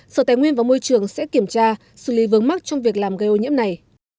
sở tài nguyên và môi trường sẽ kiểm tra xử lý vướng mắc trong việc làm gây ô nhiễm này